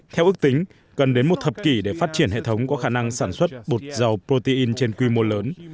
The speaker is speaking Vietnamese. theo ước tính cần đến một thập kỷ để phát triển hệ thống có khả năng sản xuất bột dầu protein trên quy mô lớn